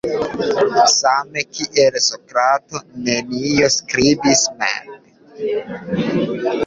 Same kiel Sokrato nenion skribis mem.